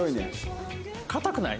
堅くない？